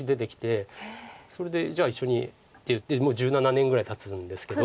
それで「じゃあ一緒に」って言ってもう１７年ぐらいたつんですけど。